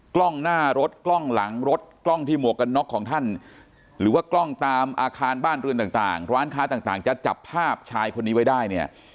กล้องหน้ารถกล้องหลังรถกล้องที่หมวกกันน็อกของท่านหรือว่ากล้องตามอาคารบ้านเรือนต่างร้านค้าต่างจะจับภาพชายคนนี้ไว้ได้เนี่ย